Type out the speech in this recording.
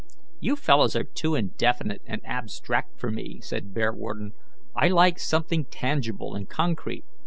"You fellows are too indefinite and abstract for me," said Bearwarden. "I like something tangible and concrete.